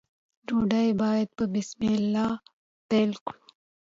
ډوډۍ باید په بسم الله پیل کړو.